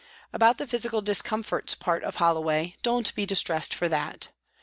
" About the physical discomforts part of Holloway, don't be distressed for that.